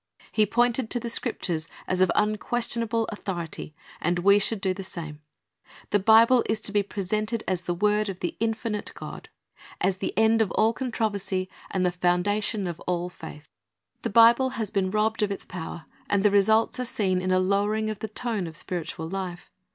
He pointed to the Scriptures as of unquestionable authority, and we should do the same. The Bible is to be presented as the word of the infinite God, • 1 John 5 : 39 ; Luke 24 : 27 40 Christ's Object Lessons as the end of all controversy and the foundation of all faith. The Bible has been robbed of its power, and the results are seen in a lowering of the tone of spiritual life.